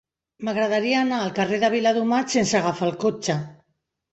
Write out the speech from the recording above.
M'agradaria anar al carrer de Viladomat sense agafar el cotxe.